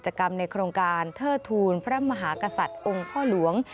กรรมในโครงการเทิดทูลพระมหากษัตริย์องค์พ่อหลวง